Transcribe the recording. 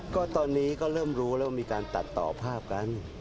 ก็ตอนนี้ก็เริ่มรู้แล้วว่ามีการตัดต่อภาพกัน